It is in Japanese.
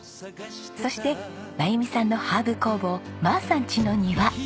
そして真由美さんのハーブ工房まーさんちの庭。